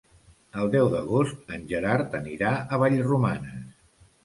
El deu d'agost en Gerard anirà a Vallromanes.